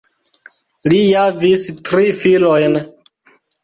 Li javis tri filojn.